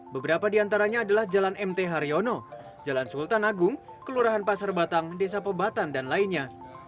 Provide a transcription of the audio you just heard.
beberapa di antaranya adalah jalan mt haryono jalan sultan agung kelurahan pasar batang desa pebatan dan lainnya